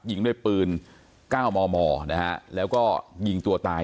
ยิงด้วยปืน๙มมนะฮะแล้วก็ยิงตัวตาย